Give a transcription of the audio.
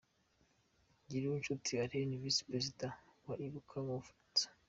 Ngirinshuti Alain, Visi Perezida wa Ibuka mu Bufaransa